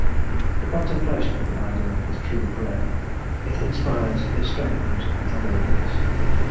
The contemplation of the ideal is true prayer; it inspires, it strengthens, it ennobles.